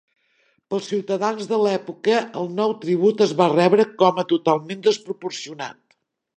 Pels ciutadans de l'època el nou tribut es va rebre com a totalment desproporcionat.